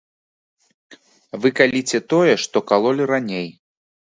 Вы каліце тое, што калолі раней!